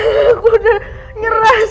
aku udah ngerasa